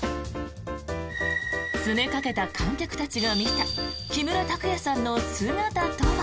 詰めかけた観客たちが見た木村拓哉さんの姿とは。